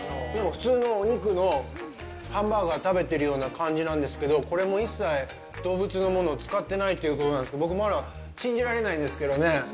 でも、普通のお肉のハンバーガー食べてるような感じなんですけれども、これも一切動物のものを使ってないということなんですけど、僕、まだ信じられないんですけどね。